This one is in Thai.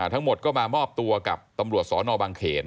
ทั้งหมดก็มามอบตัวกับตำรวจสนบางเขน